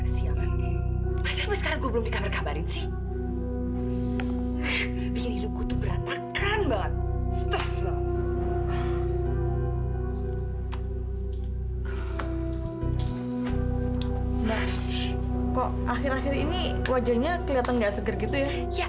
sampai jumpa di video selanjutnya